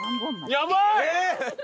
やばい！